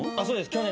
そうです。